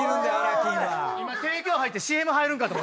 今提供入ってＣＭ入るかと。